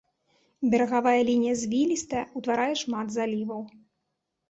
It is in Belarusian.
Берагавая лінія звілістая, утварае шмат заліваў.